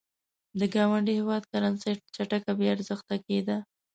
د ګاونډي هېواد کرنسي چټک بې ارزښته کېده.